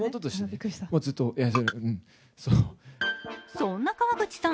そんな川口さん